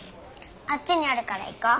あっちにあるから行こう。